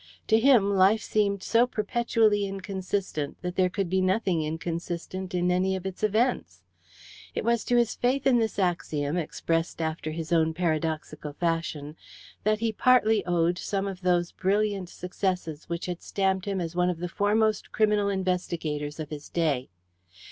To him Life seemed so perpetually inconsistent that there could be nothing inconsistent in any of its events. It was to his faith in this axiom, expressed after his own paradoxical fashion, that he partly owed some of those brilliant successes which had stamped him as one of the foremost criminal investigators of his day.